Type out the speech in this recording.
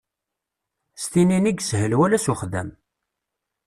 S tinin i yeshel wala s uxdam.